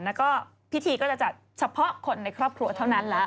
แล้วก็พิธีก็จะจัดเฉพาะคนในครอบครัวเท่านั้นแหละ